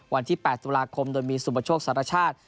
วันที่๘ตุลาคมโดยมีสุมประโชคสัตว์ราชาติ